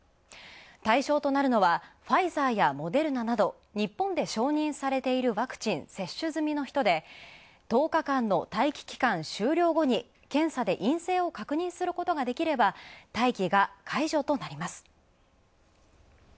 対象となるのは、ファイザーやモデルナなど日本で承認されているワクチン接種済みの人で１０日間の待機期間終了後に検査で陰性を書く事ができれば、待機が解除となります。